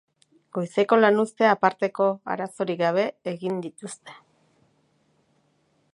Goizeko lanuzteak aparteko arazorik gabe egin dituzte.